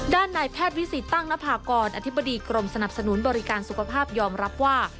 ด้านนายแพทย์วิสิตตั้งนภากรอธิบดีกรมสนับสนุนบริการสุขภาพยอมรับว่า